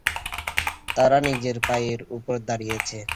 তারা নিজের পায়ের উপর দাঁড়িয়েছে।